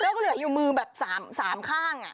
แล้วก็เหลืออยู่มือแบบ๓ข้าง